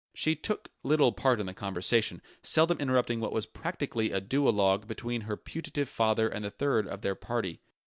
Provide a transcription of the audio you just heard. She took little part in the conversation, seldom interrupting what was practically a duologue between her putative father and the third of their party.